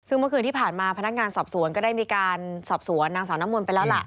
ซึ่งเมื่อคืนที่ผ่านมาพนักงานสอบสวนก็ได้มีการสอบสวนนางสาวน้ำมนต์ไปแล้วล่ะ